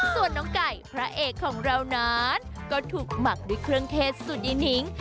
ส่วนน้องไก่พระเอกของเรานั้นก็ถูกหมักด้วยเครื่องเทศสูตรดีนิ้ง